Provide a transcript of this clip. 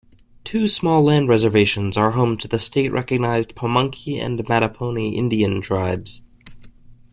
Two small land reservations are home to the state-recognized Pamunkey and Mattaponi Indian tribes.